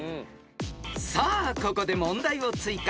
［さあここで問題を追加］